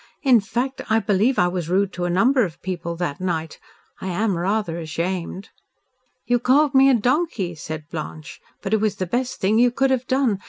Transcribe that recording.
"In fact I believe I was rude to a number of people that night. I am rather ashamed." "You called me a donkey," said Blanche, "but it was the best thing you could have done.